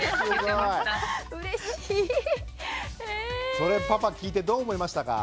それパパ聞いてどう思いましたか？